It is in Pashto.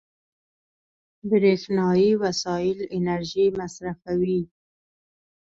برېښنایي وسایل انرژي مصرفوي.